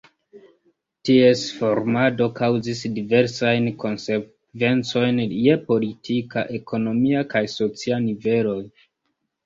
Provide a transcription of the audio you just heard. Ties formado kaŭzis diversajn konsekvencojn je politika, ekonomia kaj socia niveloj.